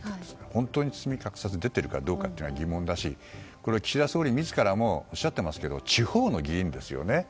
本当に包み隠さず出ているかどうかは疑問だしこれは岸田総理自らもおっしゃってますけども地方の議員ですよね。